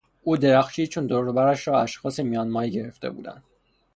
او درخشید چون دور و برش را اشخاص میانمایه گرفته بودند.